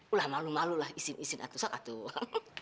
ulah malu malu lah isim isim atuh sok atuh